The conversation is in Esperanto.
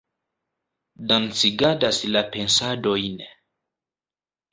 dancigadas la pensadojn